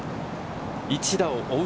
１打を追う